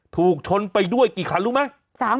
ถูกชนไปด้วยกี่คันรู้ไหม